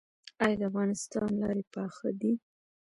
آیا د افغانستان لارې پاخه دي؟